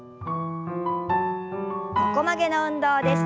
横曲げの運動です。